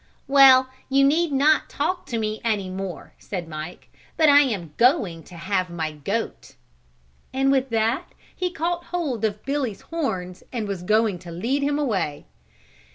"Well, you need not talk to me any more," said Mike, "but I am going to have my goat." And with that he caught hold of Billy's horns and was going to lead him away.